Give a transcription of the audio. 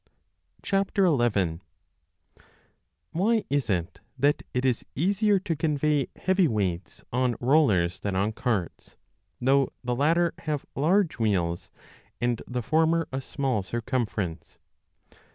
30 WHY is it that it is easier to convey heavy weights on n rollers than on carts, though the latter have large wheels and the former a small circumference